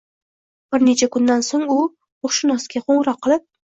Bir necha kundan soʻng u ruhshunosga qoʻngʻiroq qilib